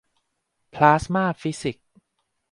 พลาสมาฟิสิกส์